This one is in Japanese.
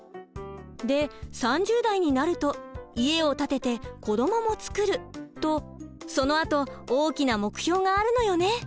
で３０代になると家を建てて子どもも作るとそのあと大きな目標があるのよね。